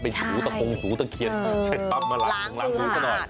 เป็นหูตะคงหูตะเขียนใช้ปั๊บมาล้างล้างมือขนาด